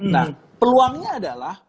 nah peluangnya adalah